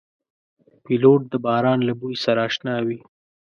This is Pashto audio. پیلوټ د باران له بوی سره اشنا وي.